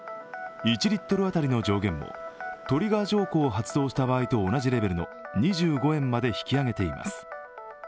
１リットル当たりの上限もトリガー条項を発動した場合と同じレベルの２５円まで引き上げています。